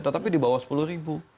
tetapi di bawah sepuluh ribu